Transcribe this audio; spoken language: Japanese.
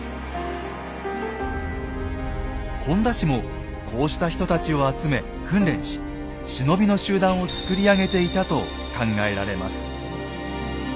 本田氏もこうした人たちを集め訓練し忍びの集団をつくり上げていたと考えられます。